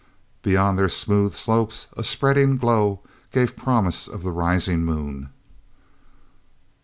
Beyond their smooth slopes a spreading glow gave promise of the rising moon.